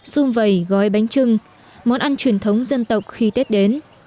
xung vầy gói bánh trưng món ăn truyền thống dân tộc khi tết đến